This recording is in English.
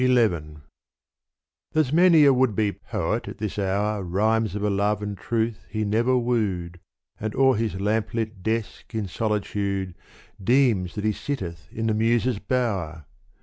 XI There 's many a would be poet at this hour Rhymes of a love and truth he never wooed And o'er his lamplit desk in solitude Deems that he sitteth in the Muses' bower.